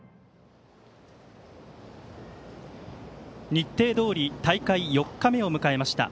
日程どおり大会４日目を迎えました。